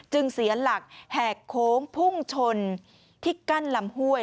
เสียหลักแหกโค้งพุ่งชนที่กั้นลำห้วย